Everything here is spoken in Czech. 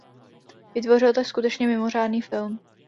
Vytvořil tak skutečně mimořádný film.